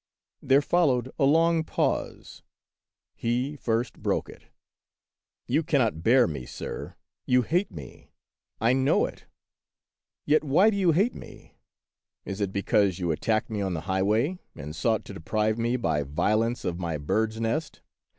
There fol lowed a long pause; he first broke it. "You cannot bear me, sir. You hate me; I know it ; yet why do you hate me } Is it be cause you attacked me on the highway and sought to deprive me by violence of my bird's nest